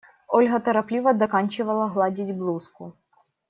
Ольга торопливо доканчивала гладить блузку.